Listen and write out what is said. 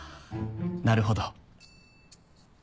なるほど。